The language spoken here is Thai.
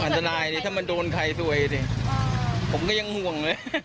อันตรายดิถ้ามันโดนใครสวยดิผมก็ยังห่วงเลย